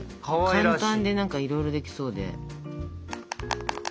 簡単で何かいろいろできそうで。